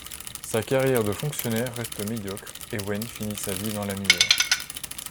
Sa carrière de fonctionnaire reste médiocre, et Wen finit sa vie dans la misère.